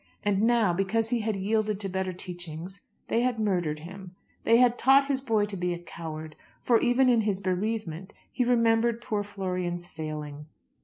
And now, because he had yielded to better teachings, they had murdered him. They had taught his boy to be a coward; for even in his bereavement he remembered poor Florian's failing.